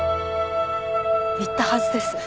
言ったはずです。